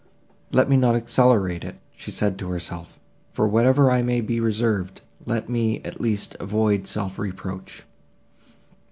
"Let me not accelerate it," said she to herself: "for whatever I may be reserved, let me, at least, avoid self reproach."